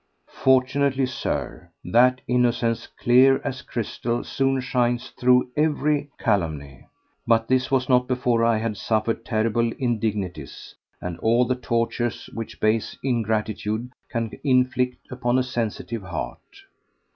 Fortunately, Sir, that innocence clear as crystal soon shines through every calumny. But this was not before I had suffered terrible indignities and all the tortures which base ingratitude can inflict upon a sensitive heart.